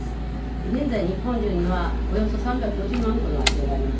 現在、日本中にはおよそ３５０万戸の空き家があります。